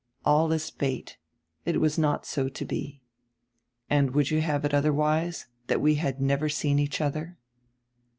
All is fate; it was not so to be. And would you have it otherwise — that we had never seen each other?"